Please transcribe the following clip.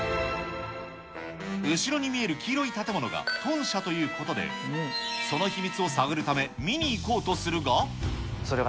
後ろに見える黄色い建物が豚舎ということで、その秘密を探るため、それはね、え？